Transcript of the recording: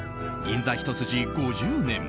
銀座ひと筋５０年。